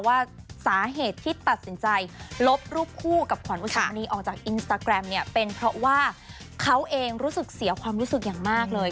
ว่าสาเหตุที่ตัดสินใจลบรูปคู่กับขวัญอุสามณีออกจากอินสตาแกรมเนี่ยเป็นเพราะว่าเขาเองรู้สึกเสียความรู้สึกอย่างมากเลย